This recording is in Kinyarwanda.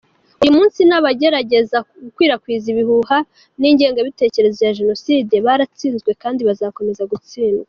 Uyu munsi n’abagerageza gukwirakwiza ibihuha n’ingengabitekerezo ya Jenoside baratsinzwe, kandi bazakomeza gutsindwa.